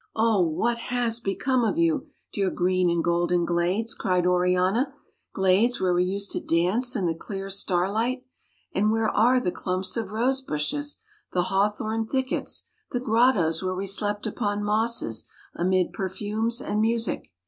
" Oh, what has become of you, dear green and golden glades?" cried Oriana, — "glades where we used to dance in the clear starlight ? And where are the clumps of rose bushes, the hawthorn thickets, the grottoes where we slept upon mosses amid perfumes and music